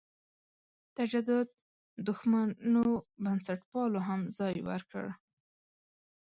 تجدد دښمنو بنسټپالو هم ځای ورکړ.